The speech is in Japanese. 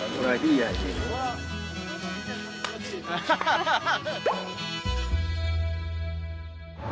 ・ハハハハ！